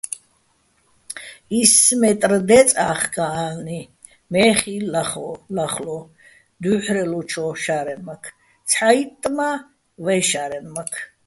ისს მეტრ დეწე́ ა́ხკაჼ ა́ლნი, მე ხი ლახლო́ დუ́ჲჰ̦რელოჩო̆ შა́რენმაქ, ცჰ̦აიტტ მა - ვეჲ შა́რენმაქ.